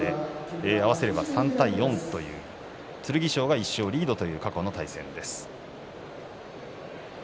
合わせれば３対４剣翔が１勝リードという過去の対戦です。